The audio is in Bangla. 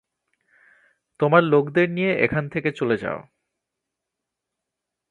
তোমার লোকদের নিয়ে এখান থেকে চলে যাও!